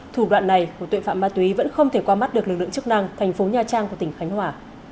thủ đoạn này của tội phạm ma túy vẫn không thể qua mắt được lực lượng chức năng thành phố nha trang của tỉnh khánh hòa